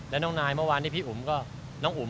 แล้วน้องนายเมื่อวานที่พี่อุ๋มก็